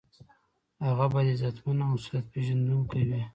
هغه باید عزتمند او مسؤلیت پیژندونکی وي.